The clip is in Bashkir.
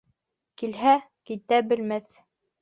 Килһә, китә белмәҫ.